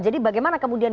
jadi bagaimana kemudian